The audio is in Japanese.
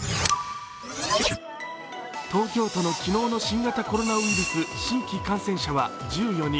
東京都の昨日の新型コロナウイルス新規感染者は１４人。